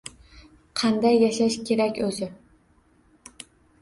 Qanday yashash kerak o’zi?